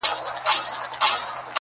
• چی له خولې به یې تیاره مړۍ لوېږی -